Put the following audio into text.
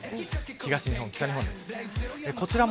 東日本、北日本です。